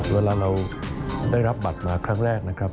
เวลาเราได้รับบัตรมาครั้งแรกนะครับ